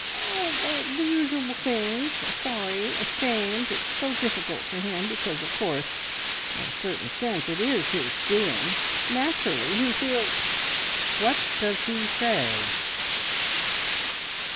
"Oh, er er the usual things. Sorry. Ashamed. It's so difficult for him, because, of course, in a certain sense it is his doing. ... Naturally, he feels " "What does he say?"